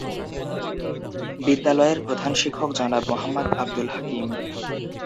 বিদ্যালয়ের প্রধান শিক্ষক জনাব মোহাম্মদ আব্দুল হাকিম।